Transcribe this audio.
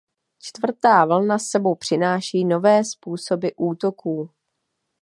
Čtvrtá vlna s sebou přináší nové způsoby útoků.